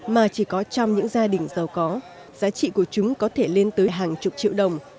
mà chỉ có trong những gia đình giàu có giá trị của chúng có thể lên tới hàng chục triệu đồng